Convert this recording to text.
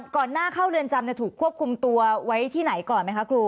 ก่อนหน้าเข้าเรือนจำถูกควบคุมตัวไว้ที่ไหนก่อนไหมคะครู